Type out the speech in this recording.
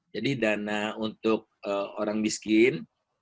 jadi dana untuk orang miskin